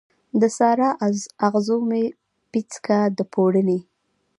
د سارا، اغزو مې پیڅکه د پوړنې